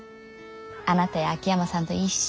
あなたや秋山さんと一緒。